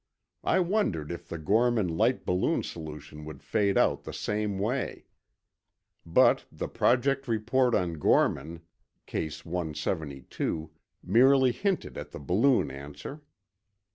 I wondered if the Gorman light balloon solution would fade out the same way. But the Project report on Gorman (Case 172) merely hinted at the balloon answer.